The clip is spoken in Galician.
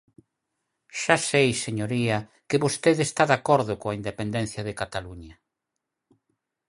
Xa sei, señoría, que vostede está de acordo coa independencia de Cataluña.